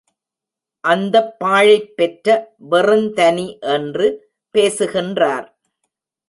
அந்தப் பாழைப் பெற்ற வெறுந்தனி என்று பேசுகின்றார்.